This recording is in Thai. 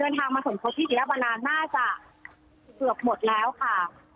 เดินทางมาสมทบที่เสียบางนาน่าจะเกือบหมดแล้วค่ะ